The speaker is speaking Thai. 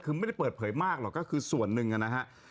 คือไม่ได้เปิดเผยมากหรอกก็คือส่วนหนึ่งนะฮะ